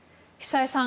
久江さん